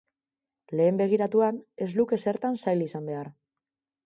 Lehen begiratuan, ez luke zertan zail izan behar.